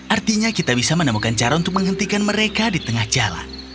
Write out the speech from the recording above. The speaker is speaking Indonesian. artinya kita bisa menemukan cara untuk menghentikan mereka di tengah jalan